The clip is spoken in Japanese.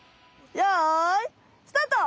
よいスタート！